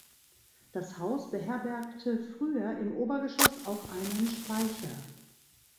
Das Haus beherbergte früher im Obergeschoss auch einen Speicher.